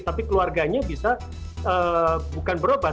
tapi keluarganya bisa bukan berobat